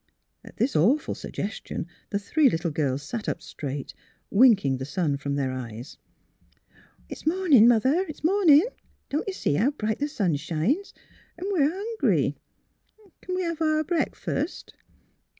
At this awful suggestion the three little girls sat up straight, winking the sun from their eyes. '' It's morning, mother. It's morning. Don't you see how bright the sun shines? 'N' we're hungry. Can we have our breakfast?